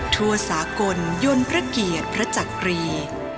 ทั่วสากลยนต์พระเกียรติพระจักรี